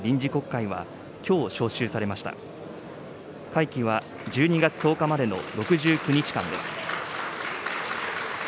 会期は１２月１０日までの６９日間です。